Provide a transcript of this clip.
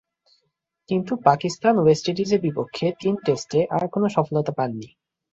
কিন্তু, পাকিস্তান ও ওয়েস্ট ইন্ডিজের বিপক্ষে তিন টেস্টে আর কোন সফলতা পাননি।